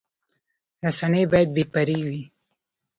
رسنۍ باید بې پرې وي